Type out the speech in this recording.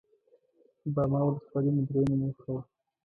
باما ولسوالي مو درېيمه موخه وه.